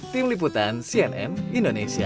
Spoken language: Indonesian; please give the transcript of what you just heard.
tim liputan cnn indonesia